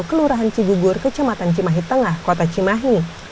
kelurahan cigugur kecamatan cimahi tengah kota cimahi